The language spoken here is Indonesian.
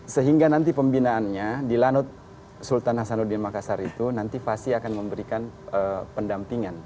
sehingga nanti pembinaannya di lanut sultan hasanuddin makassar itu nanti fasi akan memberikan pendampingan